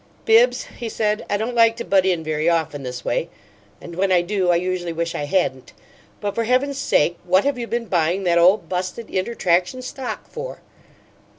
"Bibbs," he said, "I don't like to butt in very often this way, and when I do I usually wish I hadn't but for Heaven's sake what have you been buying that ole busted inter traction stock for?"